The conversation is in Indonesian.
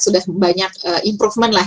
sudah banyak improvement lah